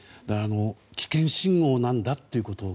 危険信号なんだということを